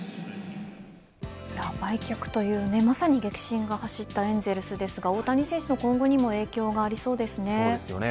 売却という、まさに激震が走ったエンゼルスですが大谷選手の今後にも影響がありそうですね。